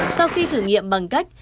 sau khi thử nghiệm bằng cách